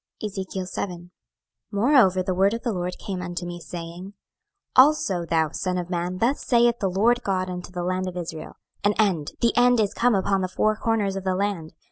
26:007:001 Moreover the word of the LORD came unto me, saying, 26:007:002 Also, thou son of man, thus saith the Lord GOD unto the land of Israel; An end, the end is come upon the four corners of the land.